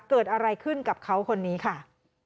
เกิดอะไรขึ้นกับเขาคนนี้ค่ะ